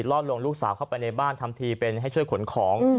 ล่อลวงลูกสาวเข้าไปในบ้านทำทีเป็นให้ช่วยขนของ